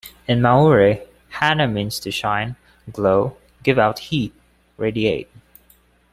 In Maori, "Hana" means to shine, glow, give out heat, radiate.